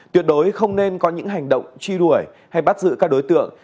tuyệt đối không nên có những hành động truy đuổi hay bắt giữ các đối tượng